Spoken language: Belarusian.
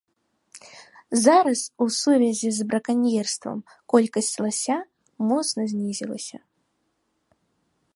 Зараз у сувязі з браканьерствам колькасць лася моцна знізілася.